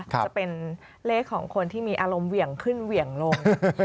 จะเป็นเลขของคนที่มีอารมณ์เหวี่ยงขึ้นเหวี่ยงลง